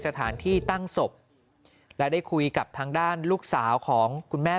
สถานที่ตั้งศพและได้คุยกับทางด้านลูกสาวของคุณแม่